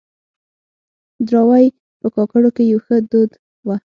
دراوۍ په کاکړو کې يو ښه دود وه.